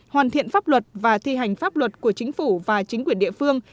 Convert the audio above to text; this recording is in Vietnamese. hoàn thiện pháp luật và thi hành pháp luật của chính phủ và chính quyền địa phương